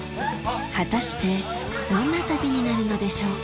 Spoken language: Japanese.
果たしてどんな旅になるのでしょうか？